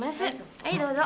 はいどうぞ。